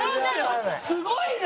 すごいな！